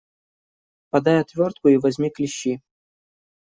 Подай отвертку и возьми клещи.